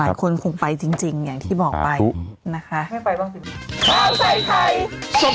หลายคนคงไปจริงจริงอย่างที่บอกไปนะคะไม่ไปบ้างจริง